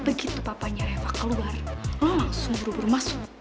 begitu papanya reva keluar langsung buru buru masuk